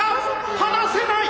離せない！